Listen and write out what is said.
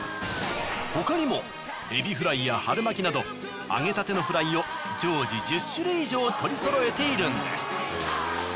他にもエビフライや春巻きなど揚げたてのフライを常時１０種類以上取りそろえているんです。